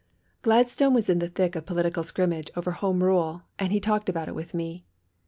'" Gladstone was in the thick of political scrimmage over Home Rule, and he talked about it with me.